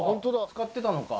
使ってたのか。